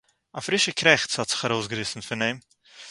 א פרישע קרעכץ האט זיך ארויסגעריסן פון אים